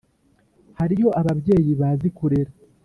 hariyo ababyeyi bazi kurera